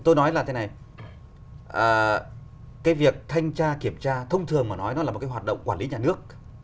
tôi nói là thế này cái việc thanh tra kiểm tra thông thường mà nói nó là một cái hoạt động quản lý nhà nước